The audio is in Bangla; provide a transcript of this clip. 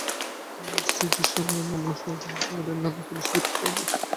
আমি সিডিশনের নমুনা সুদ্ধ ওদের নামে পুলিসে রিপোর্ট করে দিয়েছি।